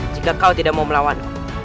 jika kau tidak mau melawan aku